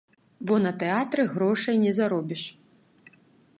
Бо на тэатры грошай не заробіш.